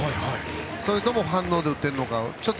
それとも反応でやってるのか。